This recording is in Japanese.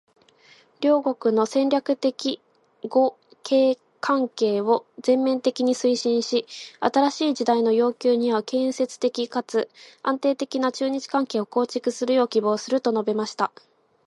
「両国の戦略的互恵関係を全面的に推進し、新しい時代の要求に合う建設的かつ安定的な中日関係を構築するよう希望する」と述べました。